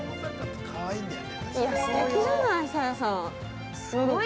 ◆すてきじゃない？